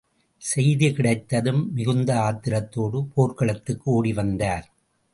செய்தி கிடைத்ததும் மிகுந்த ஆத்திரத்தோடு, போர்க்களத்துக்கு ஓடி வந்தார்.